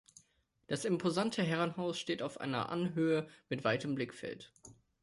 Das imposante Herrenhaus steht auf einer Anhöhe mit weitem Blickfeld.